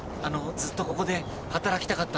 ずっとここで働きたかったんで。